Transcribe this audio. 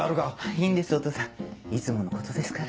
いいんですお義父さんいつものことですから。